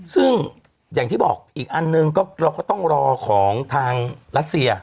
ซึ่งอย่างที่บอกอีกอันหนึ่งก็เราก็ต้องรอของทางรัสเซีย